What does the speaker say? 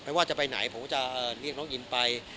ว่าจะไปไหนผมจะเรียกน้องอินไป